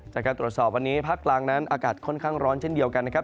จากการตรวจสอบวันนี้ภาคกลางนั้นอากาศค่อนข้างร้อนเช่นเดียวกันนะครับ